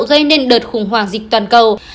gây nên đợt khủng hoảng dịch toàn cầu